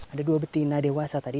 ada dua betina dewasa tadi